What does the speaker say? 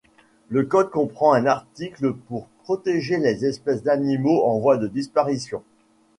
Le Code comprend un article pour protéger les espèces d'animaux en voie de disparition.